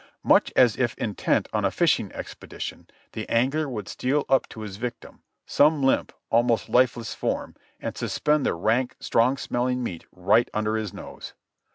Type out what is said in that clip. Much as if intent on a fishing expedition, the angler would steal up to his vic tim— some limp, almost lifeless form — and suspend the rank, strong smelling meat right under his nose.